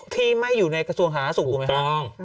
ที่ไม่อยู่ในกระทรวงศาลหรรัฐสูรมั้ยคะถูกต้อง